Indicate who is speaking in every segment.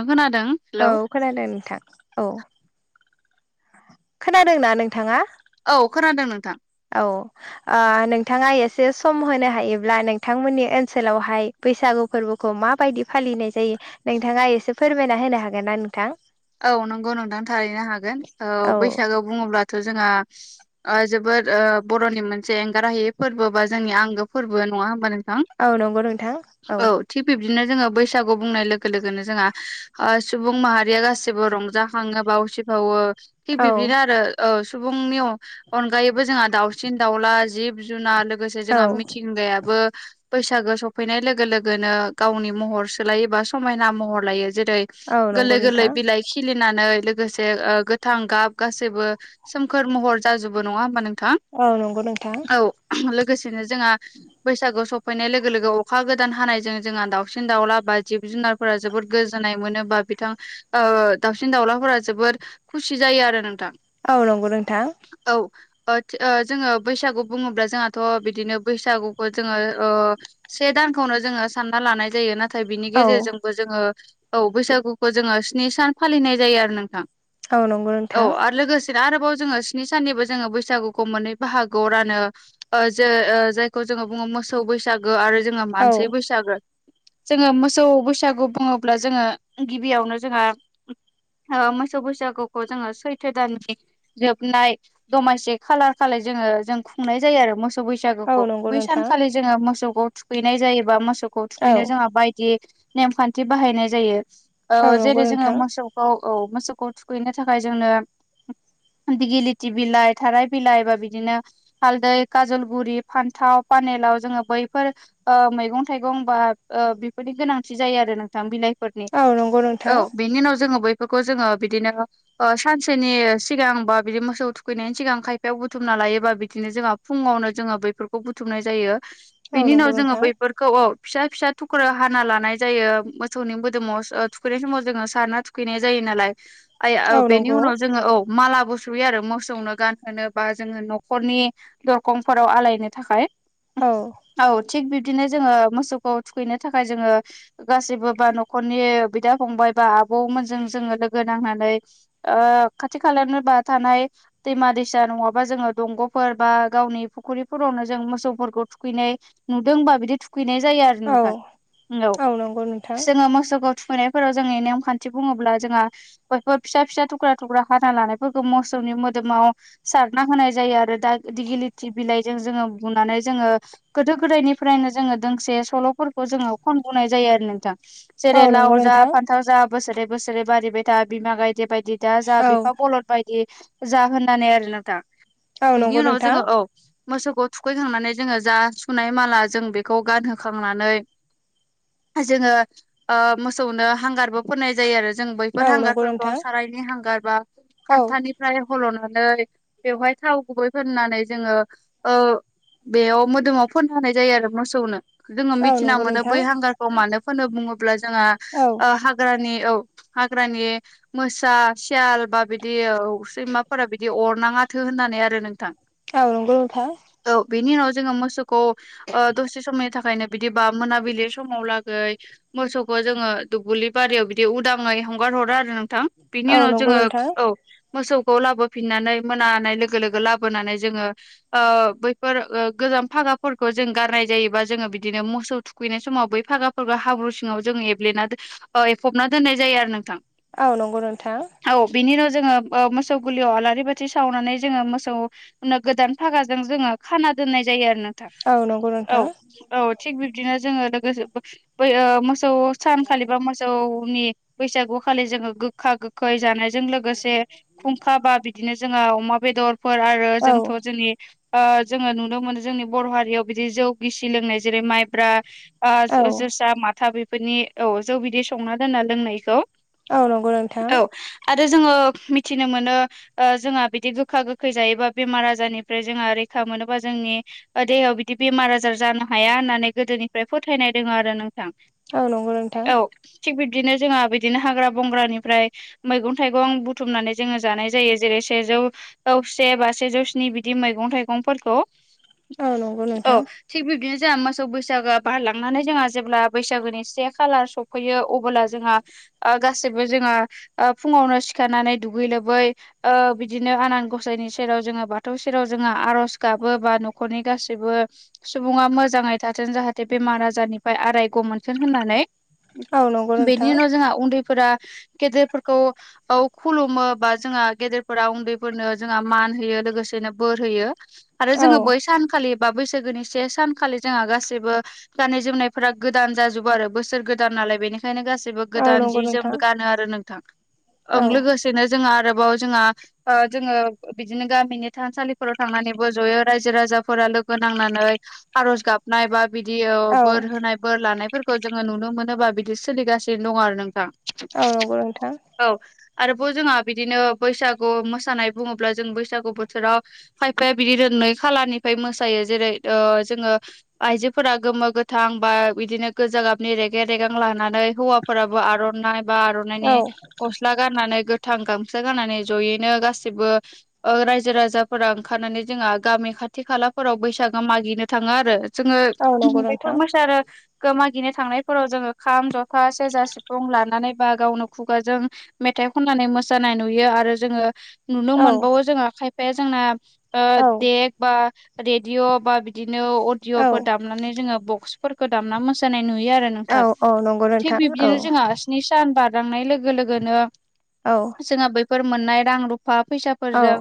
Speaker 1: ओ खोनादों
Speaker 2: औ
Speaker 1: हेलौ।
Speaker 2: खोनादों नोंथां औ। खोनादोंना नोंथाङा?
Speaker 1: औ खोनादों नोंथां।
Speaker 2: औ ओ नोंथाङा एसे सम होनो हायोब्ला नोंथांमोननि ओनसोलावहाय बैसागु फोरबोखौ माबायदि फालिनाय जायो नोंथाङा एसे फोरमायना होनो हागोनना नोंथां?
Speaker 1: औ नंगौ नोंथां थारैनो हागोन औ बैसागो बुङोब्लाथ' जोंहा ओ जोबोद ओ बर'नि मोनसे एंगार हायै फोरबो बा जोंनि आंगो फोरबो नङा होनबा नों थां
Speaker 2: औ नंगौ नोंथां
Speaker 1: औ। थिग बिब्दिनो जोङो बैसागु बुंनाय लोगो लोगोनो जोंहा ओ सुबुं माहारिया गासै बो रंजाखाङो बाव उसिफावो थिग
Speaker 2: औ
Speaker 1: बिब्दिनो आरो औ सुबुंनि अनगायैबो जोंहा दाउसिन दाउला जिब जुनार लोग गोसे जोंहा मिथिंगायाबो बैसागो सफैनाय लोगो लोगोनो गावनि महर सोलायोबा समायना महर लायो जेरै
Speaker 2: औ नंगौ
Speaker 1: गोरलै गोरलै
Speaker 2: नोंथां
Speaker 1: बिलाइ खिलिनानै लोगोसे ओ गोथां गाब गासैबो सोमखोर महर जाजोबो नङा होमबा नोंथां?
Speaker 2: औ नंगौ नोंथां।
Speaker 1: औ लोगोसेनो जोंहा बैसागु सफ फैनाय लोगो लोगो अखा गोदान हानायजों जोंहा दाउसिन दाउला बा जिब जुनारफोरा जोबोद गोजोननाय मोनोबा बे थां ओ दाउसिन दाउलाफोरा जोबोर खुसि जायो आरो नोंथां।
Speaker 2: औ नंगौ नोंथां।
Speaker 1: औ ओथ ओ जोङो बैसागु बुङोब्ला जोंहाथ' बिदिनो बैसागुखौ जोङो ओ से दानखौनो जोङो सानना लानाय जायो ना थाय बिनि
Speaker 2: औ
Speaker 1: गेजेरजोंबो जोङो औ बैसागुखौ जोङो स्नि सान फालिनाय जायो आरो नोंथां।
Speaker 2: औ नंगौ
Speaker 1: औ
Speaker 2: नोंथां
Speaker 1: आरो लोगोस [unintelligible] आरोबाव जोङो स्नि साननिबो जोङो बैसागुखौ मोननै बाहागोआव रानो। ओ जो ओ जायखौ जोङो बुङो मोसौ बैसागो आरो जोङो
Speaker 2: औ
Speaker 1: मानसि बैसागो। जोङो मोसौ बैसागु बुङोब्ला जोङो गिबियावनो जोंहा ओ मोसौ बैसागुखौ जोङो सैथो दानथि जोबनाय दमासि खालार खालि जोङो जों खुंनाय जायो आरो मोसौ सौ
Speaker 2: औ
Speaker 1: बैसागुखौ
Speaker 2: नंगौ
Speaker 1: बै
Speaker 2: नोंथां
Speaker 1: सानखालि जोङो मोसौखौ थुखैनाय जायो बा मोसौ खौ
Speaker 2: औ
Speaker 1: थुखैनो जोंहा बायदि नेमखान्थि बाहायनाय जायो।
Speaker 2: औ नंगौ नोंथां।
Speaker 1: सौखौ औ मोसौखौ थुखैनो थाखाय जोंनो दिलिलिति बिलाइ थाराय बिलाइ बा बिदिनो हालदै काजलगुरि फान्थाव पानेलाव जोङो बैफोर ओ मैगं थाइगं बा ओ बेफोरनि गोनांथि जायो आरो नोंथां बिलाइफोरनि।
Speaker 2: औ नंगौ
Speaker 1: औ
Speaker 2: नोंथां।
Speaker 1: बेनि उनाव जोङो बैफोरखौ जोङो बिदिनो ओ सानसेनि सिगां बा बिदि मोसौ थुखैनायनि सिगां खायफायाव बुथुमना लायो बा बिदिनो जोंहा फुङावनो जोङो बैफोरखौ बुथुमनाय जायो।
Speaker 2: औ
Speaker 1: बिनि उनाव
Speaker 2: नंगौ
Speaker 1: जोङो
Speaker 2: नोंथां
Speaker 1: बैफोरखौ औ फिसा- फिसा थुख्रा हाना लानाय जायो मोसौनि मोदोमाव [unintelligible] थुखैनाय समाव जोङो सारना थुखैनाय जायो नालाय आइ ओ
Speaker 2: औ
Speaker 1: बेनि
Speaker 2: नंगौ
Speaker 1: उनाव जोङो औ मालाबो सुयो आरो मोसौनो गानहोनो बा जोङो न'खरनि दरखंफोराव आलायनो थाखाय
Speaker 2: औ
Speaker 1: औ थिग बिब्दिनो जोङो मोसौखौ थुखैनो थाखाय जोङो गासैबो बा न'खरनि बिदा फंबाय बा आबौमोनजों जोङो लोगो नांनानै ओ खाथि खालानो बा थानाय दैमा दैसा नङाबा जोङो दंग'फोर बा गावनि फुख'रिफोरावनो जों मोसौफोरखौ थुखैनाय नुदों बा बिदि थुखैनाय जायो आरो
Speaker 2: औ
Speaker 1: नोंथां औ
Speaker 2: नंगौ नोंथां
Speaker 1: जोङो मोसौखौ थुखैनायफोराव जोंनि नेमखान्थि बुङोब्ला जोंहा बयफोर फिसा - फिसा थुख्रा - थुख्रा हाना लानायफोरखौ मसौनि मोदोमाव सारना होनाय जायो आरो दा दिगिलिथि बिलाइजों जोङो बुनानै जोङो गोदो गोदायनिफ्रायनो जोङो दोंसे सल'फोरखौ जोङो खनबोनाय जायो आरो नोंथां। जे
Speaker 2: औ नंगौ
Speaker 1: लाव जा
Speaker 2: नोंथां
Speaker 1: फान्थाव जा बोसोरे बोसोरै बारिबाय था बिमा गायदे बायदि दा जा
Speaker 2: औ
Speaker 1: बिफा बलद बाय दि जा होननानै आरो नोंथां
Speaker 2: औ नंगौ
Speaker 1: बिनि उनाव
Speaker 2: नोंथां
Speaker 1: जोङो औ मोसौखौ थुखैखांनानै जोङो जा सुनाय माला जों बेखौ गानहोखांनानै जोङो ओ मोसौनो हांगारबो फोनाय जायो आरो जों
Speaker 2: औ
Speaker 1: बैफोर
Speaker 2: नंगौ
Speaker 1: हांगारफोरखौ
Speaker 2: नोंथां
Speaker 1: सारायनि हांगार बा
Speaker 2: औ
Speaker 1: खान्थानि फ्राय हल'नानै बेवहाय थाव गुबै फोननानै जोङो ओ बेयाव मोदोमाव फोनना होनाय जायो आरो मोसौनो जोङो
Speaker 2: औ
Speaker 1: मिथिना
Speaker 2: नंगौ
Speaker 1: मोनो
Speaker 2: नोंथां
Speaker 1: बै हांगारखौ मानो फोनो बुङोब्ला जोंहा
Speaker 2: औ
Speaker 1: ओ हां हाग्रानि औ हाग्रानि मोसा सियाल बा बिदि सैमाफोरा बिदि अरनाङाथो होननानै आरो नोंथां
Speaker 2: औ नोंगौ नोंथां।
Speaker 1: औ बेनि उनाव जोङो मोसौखौ दसे समनि थाखायनो। बिदिबा मोनाबिलि समाव लागै मोसौखौ जोङो दुब्लि बारियाव बिदि उदाङै हमगार हरा आरो नोंथां।
Speaker 2: औ
Speaker 1: बिनि उनाव
Speaker 2: नंगौ
Speaker 1: जोङो
Speaker 2: नोंथां
Speaker 1: औ। मोसौखौ लाबोफिननानै मोनानाय लोगो लोगो लाबोनानै जोङो। ओ बैफोर गोजाम फागाफोरखौ जों गारनाय जायोबा जोङो बिदिनो मोसौ थु थुखैनाय समाव बै फागाफोरा हाब्रु सिङाव जों एब्लेना एफबना दोननाय जायो आरो नोंथां।
Speaker 2: औ नंगौ नोंथां।
Speaker 1: औ बिनि उनाव जोङो मोसौ गुलियाव आलारि बाथि सावनानै जोङो मोसौ, गोदान फागाजों जोङो खाना दोननाय जायो आरो नों था
Speaker 2: औ नंगौ
Speaker 1: औ
Speaker 2: नोंथां
Speaker 1: औ थिग बिबदिनो जोङो लोगोसे बै मोसौ, सानखालि बा मोसौनि बैसागुखालि जोङो गोखा गोखै जानायजों लोग लोगोसे खुंखा बा बिदिनो जोंहा अमा बेदरफोर आरो
Speaker 2: औ
Speaker 1: जोंथ' जोंनि, ओ जोङो नुनो मोनो जोंनि बर' हारियाव बिदि जौ गिसि लोंनाय जेरै माइब्रा,
Speaker 2: औ
Speaker 1: जोसा माथा बेफोरनि औ जौ बिदै संना दोननो लोंनायखौ।
Speaker 2: औ नंगौ नोंथां
Speaker 1: औ आरो जोङो मिथिनो मोनो, जोंहा बिदि गोखा गोखै जायोबा बेमार आजारनिफ्राय जोंहा रैखा मोनोबा जोंनि, देहायाव बिदि बेमार आजार जानो हाया होननानै गोदोनिफ्राय फोथायनाय दङ आरो नोंथां।
Speaker 2: औ नोंगौ नों
Speaker 1: औ थिग बिब्दिनो जोंहा बिदिनो हाग्रा बंग्रानिफ्राय, मैगं थाइगं बुथुमनानै जोङो जानाय जायो जेरै सेजौ औ सेबा सेजौ जौस्नि बिदि मैगं थाइगंफोरखौ।
Speaker 2: औ नंगौ
Speaker 1: औ
Speaker 2: नोंथां।
Speaker 1: थिग बिबदिनो जोंहा मोसौ बैसागो बारलांनानै जोंहा जेब्ला, बैसागोनि से खालार सफैयो अबोला जोंहा गासैबो जोङा। फुङावनो सिखारनानै दुगै लोबै। बिदिनो आनान गसाइनि सेराव जोङो बाथौ सेराव जोङो आर'ज गाबो बा न'खरनि गासैबो। सुबुङा मोजाङै थाथों जाहाथे बेमार आजारनिफ्राय आराय। ग मोनथो होननानै
Speaker 2: औ नंगौ
Speaker 1: बेनि
Speaker 2: नोंथां
Speaker 1: उनाव जोंहा उन्दैफोरा गेदेरफोरखौ औ खुलुमो बा जोंहा गेदेरफोरा उन्दैफोरनो जोंहा मान होयो लोगोसेनो बोर होयो। आरो
Speaker 2: औ
Speaker 1: जोङो बै सानखालि बा बैसागोनि से सानखालि जोंहा गाैबो गाननाय जोमनाय फोरा गोदान जाजोबबो आरो बोसोर गोदान नालाय बेनिखायनो गासैबो
Speaker 2: औ
Speaker 1: गोदान
Speaker 2: नंगौ
Speaker 1: जि जोम
Speaker 2: नोंथां
Speaker 1: गानो आरो नोंथां।
Speaker 2: औ
Speaker 1: ओं लोगोसेनो जोङा जों आरोबाव जोंहा। जोङो बिदिनो गामिनि थानसालिफोराव थांनानैबो ज'य राजो राजाफोरा लोगो नांनानै। आरज गाबनायबा, बिडिअ
Speaker 2: औ
Speaker 1: बोर होनाय बोर लानायफोरखौ जोङो नुनो मोनोबा बिदि सोलिगासिनो दङ आरो नोंथां।
Speaker 2: औ नंगौ नोंथां।
Speaker 1: औ आरोबाव जोंहा बिदिनो बैसागु मोसानाय बुङोब्ला जों बैसागु बोथोराव। खायफाया बिदिनो नै खालाारनिफ्राय मोसायो जेरै जोङो। आइजोफोरा गोमो गोथां बा बिदिनो गोजा गाबनि रेगे रेगां लानानै हौवाफोराबो आर'नाइ बा आर'नानि
Speaker 2: औ
Speaker 1: खस्थ। गस्ला गाननानै गोथां गामसा गाननानै जयैनो गासिबो। ओ रायजो राजाफोरा ओंखारनानै जोंहा गामि खाथि खालाफोराव बैसागो मागिनो थाङो आरो। जोङो
Speaker 2: औ नंगौ
Speaker 1: बैफोर
Speaker 2: नोंथां
Speaker 1: मोसारो गोमागिनो थांनायफोराव जोङो खाम जथा सेरजा सिफुं लानानै बा गावनो खुगाजों मेथाइ खननानै मोसानाय नुयो आरो जोङो नुनो
Speaker 2: औ
Speaker 1: मोनबावो जोंङो खायफाया जोंना ओ देग बा रेडिअ' बा बिदिनो
Speaker 2: औ
Speaker 1: अदियफोर दामनानै जोङो बक्सफोरखौ दामना मोसानाय नुयो आरो नों नोंथां
Speaker 2: औ औ नंगौ
Speaker 1: थिग
Speaker 2: नोंथां औ
Speaker 1: बिब्दिनो जोंहा स्नि सान बारलांनाय लोगो लोगोनो
Speaker 2: औ
Speaker 1: जोङो बैफोर मोननाय रां रुफा
Speaker 2: औ
Speaker 1: फैसाफोरजों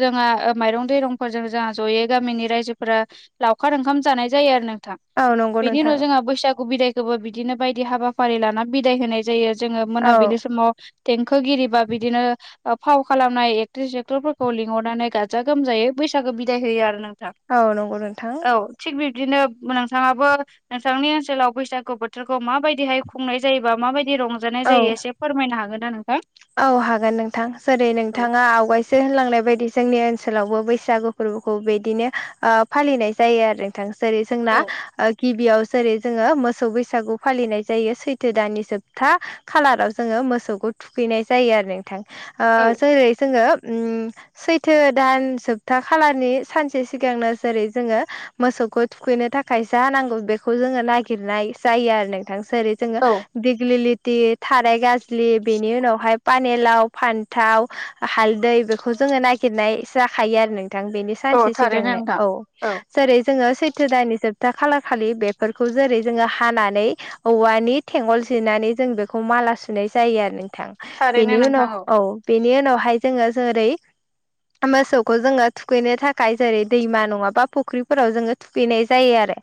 Speaker 1: जोंहा माइरं दैरंफोरजों जोंहा जयै गामिनि रायजोफोरा लावखार ओंखाम जानाय जायो आरो नोंथां
Speaker 2: औ नंगौ
Speaker 1: बेनि उनाव
Speaker 2: नोंथां
Speaker 1: जोंहा बैसागु बिदाय गोबो बिदिनो बायदि हाबाफारि लाना बिदाय होनाय जायो जोङो मोनाबिलि
Speaker 2: औ
Speaker 1: समाव देंखोगिरि बा बिदिनो फाव खालामनाय एक्ट्रिस एक्टरफोरखौ लिंहरनानै गाजा गोमजायै बैसागो बिदाय होयो आरो नोंथां।
Speaker 2: औ नंगौ नोंथां
Speaker 1: औ थिग बिबदिनो नोंथांआबो नोंथांनि ओनसोलाव बैसागु बोथोरखौ माबायदिहाय खुंनाय जायोबा बा मा बायदि रंजानाय
Speaker 2: औ
Speaker 1: जायो एसे फोरमायनो हागोन ना नोंथां?
Speaker 2: औ हागोन नोंथां जेरै
Speaker 1: औ
Speaker 2: नोंथाङा आवगायसो होनलांनाय बायदि जोंनि ओनसोलावबो बैसागु फोरबोखौ बिदिनो ओ फालिनाय जायो आरो नोंथां जेरै जोंना
Speaker 1: औ
Speaker 2: ओ गिबियाव जेरै जोङो मोसौ बैसागु फालिनाय जायो सैथो दाननि जोबथा खालाराव जोङो मोसौखौ थुखैनाय जायो आरो नोंथां आ जेरै जोङो उम सैथो दान जोबथा खालारनि सानसे सिगांनो जेरै जोङो मोसौखौ थुखैनो थाखाय जा नांगौ बेखौ जोङो नागिरनाय जायो आरो नोंथां जेरै जोङो
Speaker 1: औ
Speaker 2: दिग्लिलिथि थाराय गाजलि बे बेनि उनावहाय पानेलाव फान्थाव हालदै बेखौ जोङो नागिरनाय जाखायो आरो नों नोंथां बेनि
Speaker 1: औ
Speaker 2: सानसे
Speaker 1: थारैनो
Speaker 2: सिगांनो
Speaker 1: नोंथां
Speaker 2: औ जेरै जोङो सैथो दाननि जोबथा खालारखालि बेफोरखौ जेरै जोङो हानानै औवानि थेंगल जिरनानै जों बेखौ माला सुनाय जायो आरो।
Speaker 1: थारैनो
Speaker 2: बेनि
Speaker 1: नोंथां
Speaker 2: उनाव औ बेनि उनावहाय जोङो जेरै मोसौखौ जोङो थुखैनो थाखाय जेरै दैमा नङाबा फुख्रिफोराव जोङो थुफैनाय जायो आरो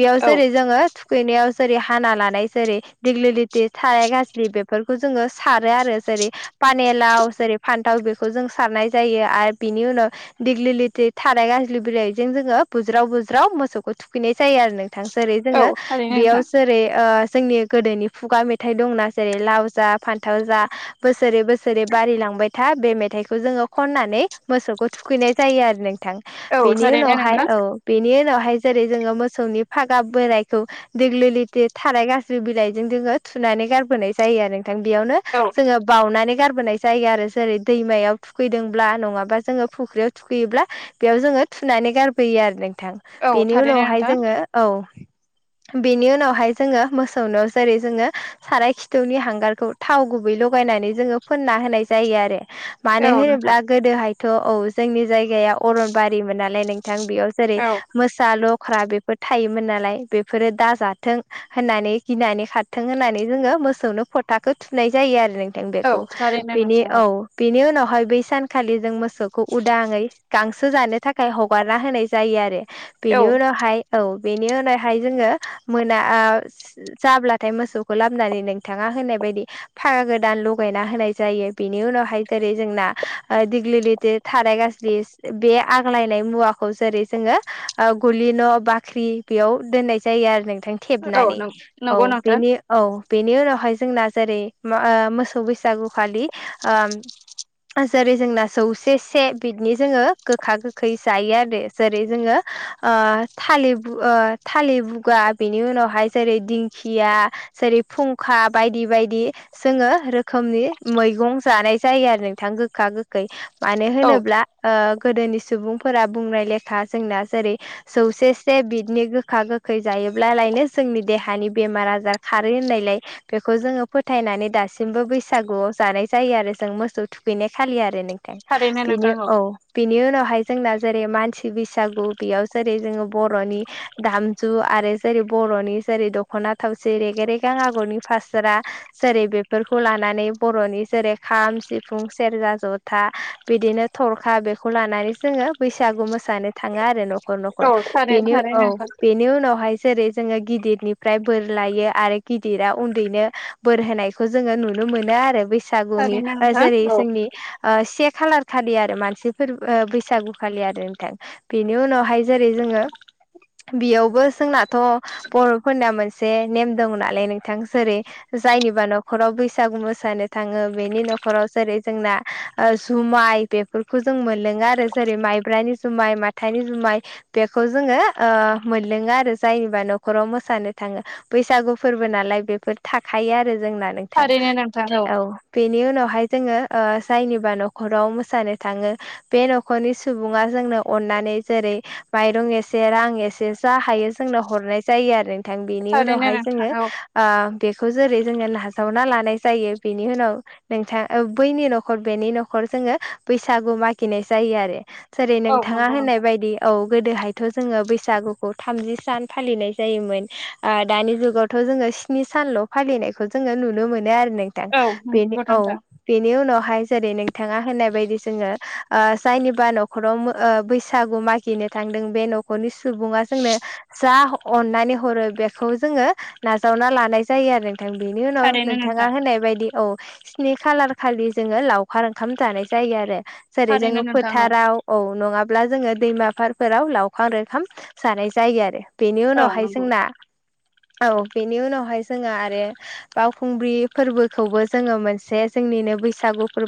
Speaker 2: बेयाव
Speaker 1: औ
Speaker 2: जेरै जोङो थुखैनायाव जेरै हाना लानाय जेरै दिग्लिलिटि थाराइ गाज्लि बेफोरखौ जोङो सारो आरो जेरै पानेलाव जेरै फान्थाव बेखौ जों सारनाय जायो आरो बिनि उनाव दिग्लिलिटि थाराय गाज्लि बिलाइजों जोङो बुज्राव बुज्राव मोसौखौ थुखैनाय जायो आरो नों थां जेरै
Speaker 1: औ
Speaker 2: जोङो
Speaker 1: थारैनो
Speaker 2: बेयाव
Speaker 1: नोंथां
Speaker 2: जेरै ओ जोंनि गोदोनि खुगा मेथाइ दंना जेरै लाव जा फान्थाव जा बोसोरै बोसोरै बारिलांबाय था बे मेथाइखौ जोङो खननानै मोसौखौ थुखैनाय जायो आरो नोंथां।
Speaker 1: औ
Speaker 2: बेनि
Speaker 1: थारैनो
Speaker 2: उनावहाय
Speaker 1: नोंथां
Speaker 2: औ बेनि उनावहाय जेरै जोङो मोसौनि फागाब बोरायखौ दिग्लिलिटि थाराय गाज्लि बिलाइजों जोङो थुनानै गारबोनाय जायो आरो नोंथां बेयावनो
Speaker 1: औ
Speaker 2: जोङो बाउनानै गारबोनाय जायो आरो जेरै दैमायाव थुखैदोंब्ला नङाबा जोङो फुख्रियाव थुखैयोब्ला बेयाव जोङो थुनानै गारबोयो आरो नोंथां
Speaker 1: औ
Speaker 2: बेनि
Speaker 1: थारैनो
Speaker 2: उनावहाय
Speaker 1: नोंथां
Speaker 2: जोङो औ बेनि उनावहाय जोङो मोसौनाव जेरै जोङो साराय खिथुनि हांगारखौ थाव गुबै लगायनानै जोङो फोनना होनाय जायो आरो मानो
Speaker 1: औ नोंथां
Speaker 2: होनोब्ला गोदोहायथ' औ जोंनि जायगाया अरनबारिमोन नालाय नोंथां बेयाव जेरै
Speaker 1: औ
Speaker 2: मोसा लख्रा बेफोर थायोमोन नालाय बेफोरो दाजाथों होननानै गिनानै खारथों होननानै जोङो मोसौनो फोथाखौ थुनाय जायो आरो नों दों
Speaker 1: औ
Speaker 2: बेखौ
Speaker 1: थारैनो
Speaker 2: बिनि
Speaker 1: नोंथां
Speaker 2: औ बिनि उनावहाय बै सानखालि जों मोसौखौ उदाङै गांसो जानो थाखाय हगारना होनाय जायो आरो
Speaker 1: औ
Speaker 2: बेनि उनावहाय औ बेनि उनावहाय जोङो मोना ओ जाब्लाथाय मोसौखौ लाबनानै नोंथाङा होनाय बायदि फागा गोदान लगायना होनाय जायो बेनि उनावहाय जेरै जोंना दिगलि लिति थाराय गाजलि बे आग्लायनाय मुवाखौ जेरै जोङो ओ गलि न' बाख्रि बेयाव दोननाय जायो आरो नोंथां
Speaker 1: औ
Speaker 2: थेबनानै औ
Speaker 1: नंगौ नोंथां
Speaker 2: बेनि औ बेनि उनावहाय जोंना जेरै मा ओ मोसौ बैसागुखालि ओ जेरै जोंना जौसे से बिदनि जोङो गोखा गोखै जायो आरो जेरै जोङो थालिर बु ओ थालिर बुगा बेनि उनावहाय जेरै दिंखिया जेरै फुंखा बायदि बाय दि जोङो रोखोमनि मैगं जानाय जायो आरो नोंथां गोखा गोख खै मानो
Speaker 1: औ
Speaker 2: होनोब्ला ओ गोदोनि सुबुंफोरा बुंनाय लेखा जोंना जेरै जौसे से बिदनि गोखा गोखै जायोब्लालायनो जोंनि देहानि बेमार आजार खारो होननायलाय बेखौ जोङो फोथायनानै दासिमबो बैसागुआव जानाय जायो आरो जों मोसौ थुखैनाय खालि आरो नों
Speaker 1: थारैनो
Speaker 2: बेनि
Speaker 1: नोंथां
Speaker 2: औ बेनि उनावहाय जोंना जेरै मानसि बैसागु बेयाव जेरै जोङो बर'नि दामजु आरो जेरै बर'नि जेरै दख'ना थावसि रेगे रेगां आगरनि फासरा जेरै बेफोरखौ लानानै बर'नि जेरै खाम सिफुं सेरजा जथा बिदिनो थरखा बेखौ लानानै जोङो बैसागु मोसानो थाङो आरो न'ख खर न'खर
Speaker 1: औ थारै
Speaker 2: बेनि
Speaker 1: थारैनो
Speaker 2: औ
Speaker 1: नोंथां
Speaker 2: बेनि उनावहाय जेरै जोङो गिदिरनिफ्राय बोर लायो आरो गिदिरा उन्दैनो बोर होनायखौ जोङो नुनो मोनो आरो बैसागुनि
Speaker 1: थारैनो
Speaker 2: ओ
Speaker 1: नोंथां
Speaker 2: जेरै
Speaker 1: औ
Speaker 2: जोंनि ओ से खालार खालि आरो मानसिफोर ओ बेसागुखालि आरो नोंथां बेनि उनावहाय जेरै जोङो बेयावबो जोंनाथ' बर'फोरना मोनसे जे नेम दं नालाय नोंथां जेरै जायनिबा न'खराव बैसागु मोसानो थाङो बेनि न'खराव जेरै जोंना ओ जुमाय बेफोरखौ जों मोनलोङो आरो जेरै माइब्रानि जुमाय माथानि जुमाय बेखौ जोङो ओ मोनलोङो आरो जायनिबा न'खराव मोसानो थाङो। बैसागु फोरबो नालाय बेफोर थाखायो आरो जोंना नोंथां
Speaker 1: थारैनो नोंथां
Speaker 2: औ। बेनि उनावहाय जोङो ओ जायनिबा न'खराव मोसानो थाङो बे न'खरनि सुबुङा जोंनो अननानै जेरै माइरं एसे रां एसे जा हायो जोंनो हरनाय जायो आरो। थां बेनि
Speaker 1: थारैनो
Speaker 2: उनावहाय
Speaker 1: नोंथां
Speaker 2: जोङो
Speaker 1: औ
Speaker 2: आ बेखौ जेरै जोङो नाजावना लानाय जायो बेनि उनाव नोंथां औ बैनि न'खर बेनि न'खर जोङो बैसागु मागिनाय जायो आरो। जेरै
Speaker 1: औ
Speaker 2: नोंथाङा
Speaker 1: नंगौ
Speaker 2: होननाय
Speaker 1: नोंथां
Speaker 2: बायदि औ गोदोहायथ' जोङो बैसागुखौ थामजि सान फालिनाय जायोमोन। ओ दानि जुगावथ' जोङो स्नि सानल' फालिनायखौ जोङो नुनो मोनो आरो नों थां
Speaker 1: औ
Speaker 2: बेनि
Speaker 1: नंगौ
Speaker 2: औ
Speaker 1: नोंथां
Speaker 2: बेनि उनावहाय जेरै नोंथाङा होननाय बायदि जोङो ओ जायनिबा न'खराव मो ओ बैसागु मागिनो थांदों बे न'खरनि सुबुङा जोंनो जा अननानै हरो बेखौ जोङो नाजावना लानाय जायो आरो नोंथां बेनि उनाव
Speaker 1: थारैनो
Speaker 2: नोंथाङा
Speaker 1: नोंथां
Speaker 2: होनाय बायदि औ नि खालार खालि जोङो लावखार ओंखाम जानाय जायो आरो जेरै
Speaker 1: थारैनो
Speaker 2: जोङो
Speaker 1: नोंथां
Speaker 2: फोथाराव औ नङाब्ला जोङो दैमाफोरारफोराव लावखार ओंखाम जानाय जायो आरो बेनि
Speaker 1: औ
Speaker 2: उनावहाय
Speaker 1: नंगौ
Speaker 2: जोंना औ बेनि उनावहाय जोङो आरो बावखुंग्रि फोरबोखौबो जोङो मोनसे जोंनिनो बैसागु फोरबो